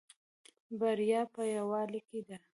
بریا په یوالی کې ده